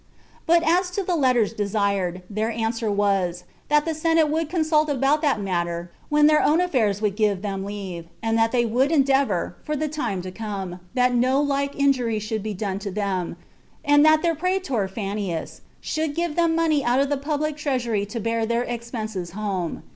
But as to the letters desired, their answer was, that the senate would consult about that matter when their own affairs would give them leave; and that they would endeavor, for the time to come, that no like injury should be done to them; and that their praetor Fanius should give them money out of the public treasury to bear their expenses home.